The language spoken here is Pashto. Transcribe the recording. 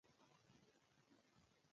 ایکوسیسټم د ژویو او چاپیریال اړیکه ده